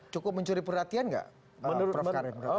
cukup mencuri perhatian nggak prof karim